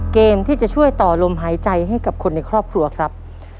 เกมที่จะช่วยต่อลมหายใจให้กับคนในครอบครัวครับ